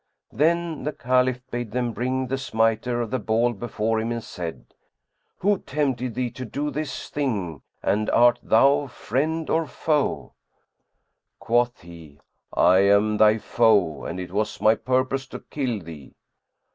Then the Caliph bade them bring the smiter of the ball before him and said, "Who tempted thee to do this thing and art thou friend or foe?" Quoth he, "I am thy foe and it was my purpose to kill thee."